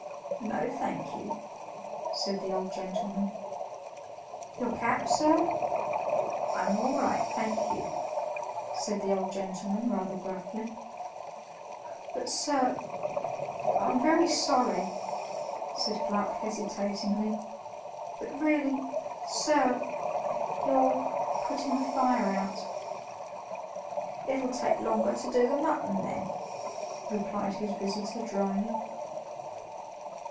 "No, thank you," said the old gentleman. "Your cap, sir?" "I am all right, thank you," said the old gentleman rather gruffly. "But sir I'm very sorry," said Gluck hesitatingly, "but really, sir you're putting the fire out." "It'll take longer to do the mutton, then," replied his visitor dryly.